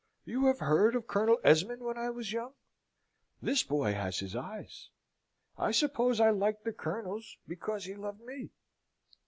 You have heard of Colonel Esmond when I was young? This boy has his eyes. I suppose I liked the Colonel's because he loved me."